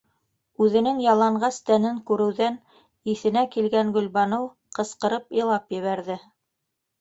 - Үҙенең яланғас тәнен күреүҙән иҫенә килгән Гөлбаныү ҡысҡырып илап ебәрҙе.